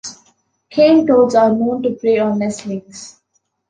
Cane toads are known to prey on nestlings.